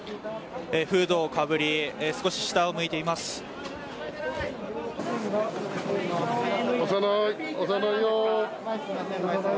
フードをかぶり少し下を向いています。